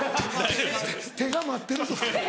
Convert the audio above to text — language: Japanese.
手が待ってるぞ。